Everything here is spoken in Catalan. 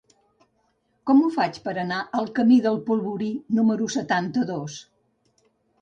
Com ho faig per anar al camí del Polvorí número setanta-dos?